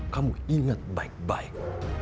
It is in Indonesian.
kamu inget baik baik